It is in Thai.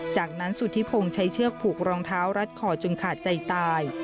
จากนั้นสุธิพงศ์ใช้เชือกผูกรองเท้ารัดคอจนขาดใจตาย